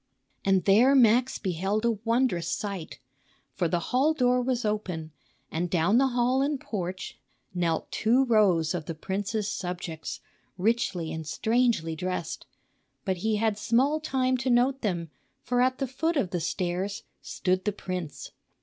And there Max beheld a wondrous sight. For the hall door was open. And down the hall and porch knelt two rows of the prince's subjects, richly and strangely dressed. But he had small time to note them; for at the foot of the stairs stood the prince.